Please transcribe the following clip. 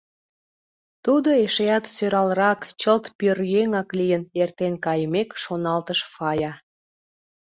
— Тудо эшеат сӧралрак, чылт пӧръеҥак лийын, — эртен кайымек, шоналтыш Фая.